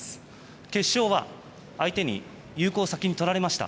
決勝は、相手に有効を先に取られました。